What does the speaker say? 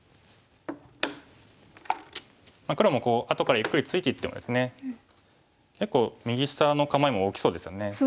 黒もこう後からゆっくりついていってもですね結構右下の構えも大きそうですよね。